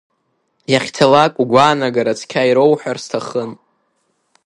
Иахьцалак, угәаанагара цқьа ироуҳәар сҭахын.